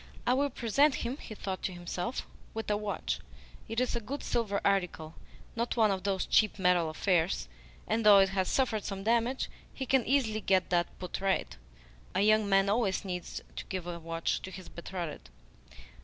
"I will present him," he thought to himself, "with a watch. It is a good silver article not one of those cheap metal affairs; and though it has suffered some damage, he can easily get that put right. A young man always needs to give a watch to his betrothed."